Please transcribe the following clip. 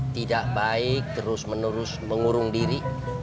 tidak baik terus menerus mengurung diri